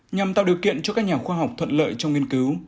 nhằm tạo điều kiện cho các nhà khoa học thuận lợi trong nghiên cứu